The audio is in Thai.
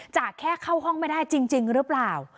จะแค่เข้าห้องไม่ได้จริงหรือเปล่า